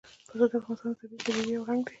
پسه د افغانستان د طبیعي پدیدو یو رنګ دی.